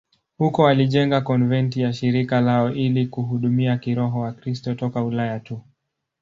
Huko walijenga konventi ya shirika lao ili kuhudumia kiroho Wakristo toka Ulaya tu.